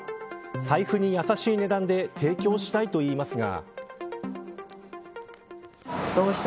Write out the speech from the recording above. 財布に優しい値段で提供したいと言いますが。